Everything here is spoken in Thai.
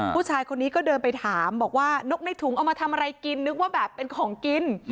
ผู้ชายคนนี้ก็เดินไปถามบอกว่านกในถุงเอามาทำอะไรกินนึกว่าแบบเป็นของกิน